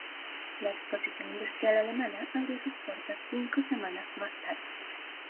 La Exposición Industrial Alemana abrió sus puertas cinco semanas más tarde.